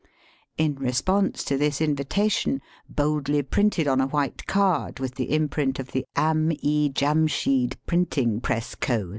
In response to this invitation, boldly printed on a white card, with the imprint of the Am. E. Jamsheed Printing Press Co.